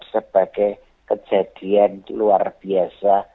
sebagai kejadian luar biasa